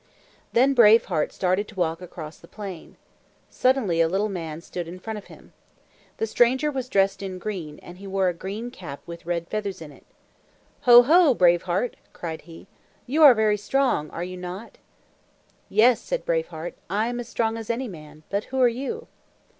Then Brave Heart started to walk across the plain. Suddenly a little man stood in front of him. The stranger was dressed in green, and he wore a green cap with red feathers in it. "Ho, ho, Brave Heart!" cried he. "You are very strong, are you not?" "Yes," said Brave Heart, "I am as strong as any man. But who are you?"